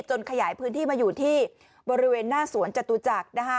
ขยายพื้นที่มาอยู่ที่บริเวณหน้าสวนจตุจักรนะคะ